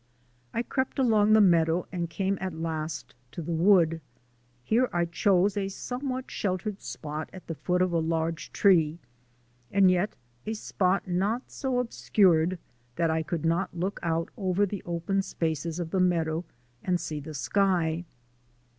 I crept along the meadow and came at last to the wood. Here I chose a somewhat sheltered spot at the foot of a large tree and yet a spot not so obscured that I could not look out over the open spaces of the meadow and see the sky.